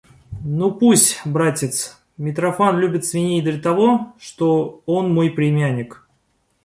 Ну пусть, братец, Митрофан любит свиней для того, что он мой племянник.